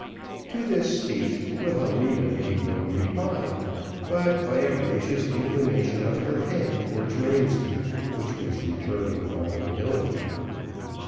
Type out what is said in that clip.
To this speech, Wilhelmina made no reply, but by a gracious inclination of her head towards Ramsay, which was returned with all humility.